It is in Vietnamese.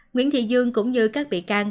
nguyễn thị dương cũng như các bị can